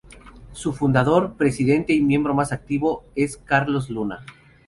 Su fundador, presidente y miembro más activo es Carlos Luna.